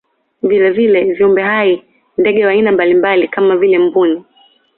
Vilevile viumbe hai ndege wa aina mbalimbali kama vile mbuni